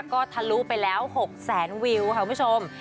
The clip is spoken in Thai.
ก็ทะลุไปแล้ว๖แสนวิวค่ะคุณผู้ชม